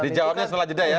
di jawabnya setelah jeda ya